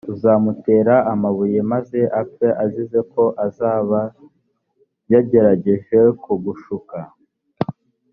uzamutere amabuye, maze apfe azize ko azaba yagerageje kugushuka